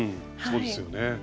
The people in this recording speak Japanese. そうですよね。